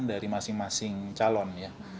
dari masing masing calon ya